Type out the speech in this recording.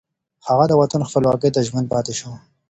هغه د وطن خپلواکۍ ته ژمن پاتې شو